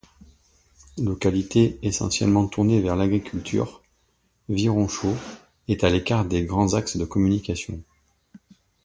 Localité essentiellement tournée vers l'agriculture, Vironchaux est à l'écart des grands axes de communication.